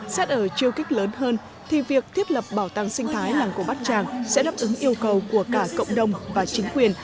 xét ở chiều kích lớn hơn thì việc thiết lập bảo tàng sinh thái làng cổ bát tràng sẽ đáp ứng yêu cầu của cả cộng đồng và chính quyền